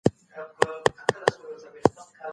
د هېواد بهرنیو اړیکې د سیاسي بدلونونو اغېز نه لري.